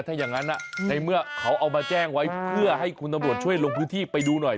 ถ้าอย่างนั้นในเมื่อเขาเอามาแจ้งไว้เพื่อให้คุณตำรวจช่วยลงพื้นที่ไปดูหน่อย